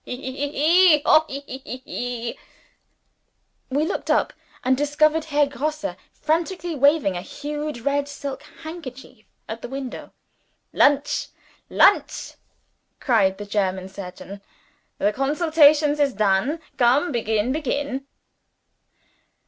"Hi hi hoi! hoi hi! hoi hi!" We looked up, and discovered Herr Grosse, frantically waving a huge red silk handkerchief at the window. "Lonch! lonch!" cried the German surgeon. "The consultations is done. Come begin begin."